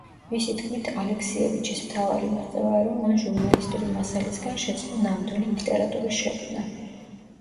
მისი თქმით ალექსიევიჩის მთავარი მიღწევაა, რომ მან ჟურნალისტური მასალისგან შეძლო ნამდვილი ლიტერატურის შექმნა.